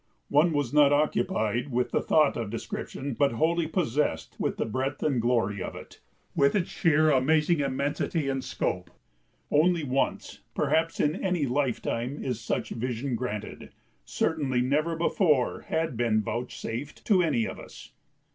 One was not occupied with the thought of description but wholly possessed with the breadth and glory of it, with its sheer, amazing immensity and scope. Only once, perhaps, in any lifetime is such vision granted, certainly never before had been vouchsafed to any of us.